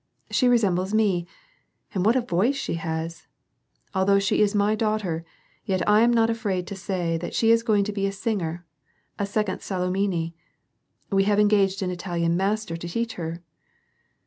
" She resembles me ! And what a voice she has ! Although she is my daughter, yet I am not afraid to say that she is going to be a singer, a second Salomoni. We have engaged an Italian master to teach her."